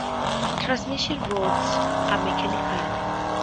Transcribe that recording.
Transmission routes are mechanical.